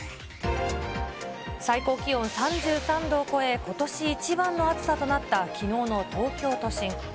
最高気温３３度を超え、ことし一番の暑さとなったきのうの東京都心。